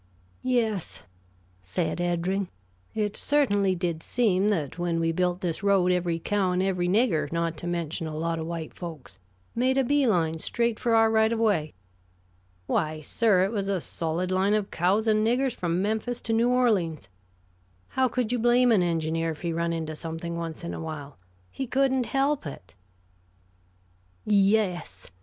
"Yes," said Eddring, "it certainly did seem that when we built this road every cow and every nigger, not to mention a lot of white folks, made a bee line straight for our right of way. Why, sir, it was a solid line of cows and niggers from Memphis to New Orleans. How could you blame an engineer if he run into something once in a while? He couldn't help it." "Yes.